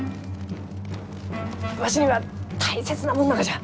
わしには大切なもんながじゃ。